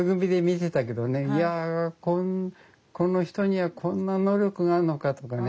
「やあこの人にはこんな能力があるのか」とかね。